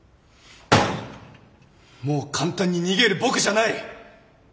もう簡単に逃げる僕じゃない。